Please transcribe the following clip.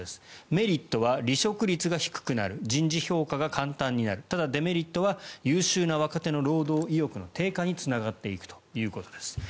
メリットは離職率が低くなる人事評価が簡単になるただ、デメリットは優秀な若手の労働意欲の低下につながっていくということです。